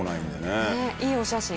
ねえいいお写真。